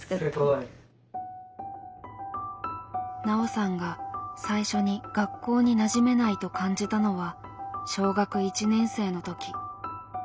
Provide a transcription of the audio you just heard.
ナオさんが最初に「学校になじめない」と感じたのは小学１年生の時。